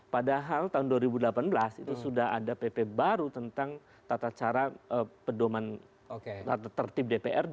padahal tahun dua ribu delapan belas itu sudah ada pp baru tentang tata cara pedoman tertib dprd